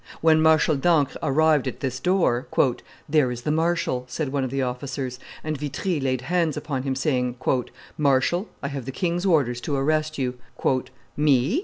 When Marshal d'Ancre arrived at this door, "There is the marshal," said one of the officers; and Vitry laid hands upon him, saying, "Marshal, I have the king's orders to arrest you." "Me!"